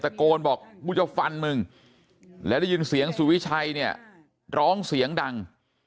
โกนบอกกูจะฟันมึงและได้ยินเสียงสุวิชัยเนี่ยร้องเสียงดัง